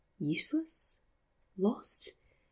Useless ? Lost ?